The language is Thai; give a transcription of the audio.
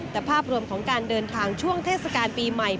แต่ภาพรวมของการเดินทางช่วงเทศกาลปีใหม่